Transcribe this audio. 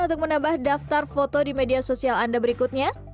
untuk menambah daftar foto di media sosial anda berikutnya